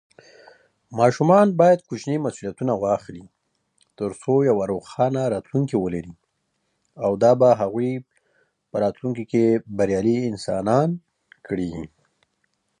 ماشوم باید کوچني مسوولیتونه واخلي.